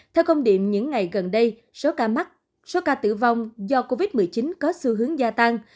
theo công điện những ngày gần đây số ca mắc số ca tử vong do covid một mươi chín có xu hướng gia tăng